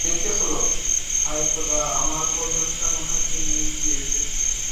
হায় খোদা, আমরা খোলসটা মনে হয় চিড়ে দিয়েছি!